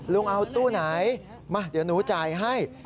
ลุงเอาตู้ไหนมาเดี๋ยวหนูจ่ายให้